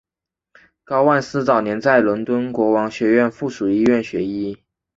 高万斯早年在伦敦国王学院附属医院学医。